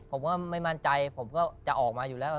ผมก็ไม่มั่นใจผมก็จะออกมาอยู่แล้ว